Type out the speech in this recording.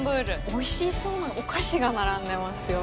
おいしそうなお菓子が並んでますよ。